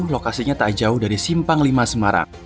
lokasinya tak jauh dari simpang lima semarang